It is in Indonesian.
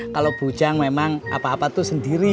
kalau bujang memang apa apa itu sendiri